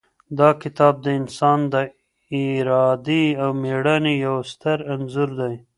دا کتاب د انسان د ارادې او مېړانې یو ستر انځور دی.